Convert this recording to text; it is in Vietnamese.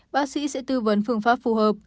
bác sĩ sẽ tư vấn phương pháp phù hợp